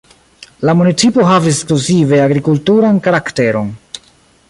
La municipo havis ekskluzive agrikulturan karakteron.